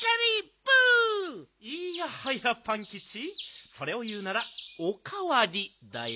いやはやパンキチそれをいうなら「おかわり」だよ。